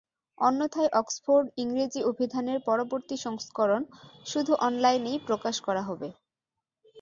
অন্যথায় অক্সফোর্ড ইংরেজি অভিধানের পরবর্তী সংস্করণ শুধু অনলাইনেই প্রকাশ করা হবে।